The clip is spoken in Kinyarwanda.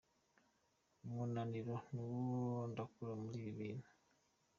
Umunaniro niwo ndakura muri ibi bintu